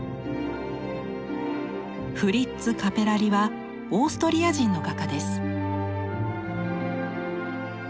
フリッツ・カペラリはオーストリア人の画家です。